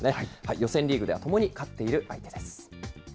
予選リーグでは、ともに勝っている相手です。